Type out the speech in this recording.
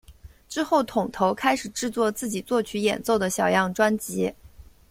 之后桶头开始制作自己作曲演奏的小样专辑。